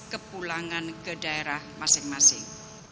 kepulangan ke daerah masing masing